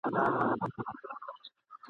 اشنا په جنګ کي سوله